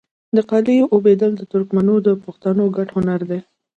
د قالیو اوبدل د ترکمنو او پښتنو ګډ هنر دی.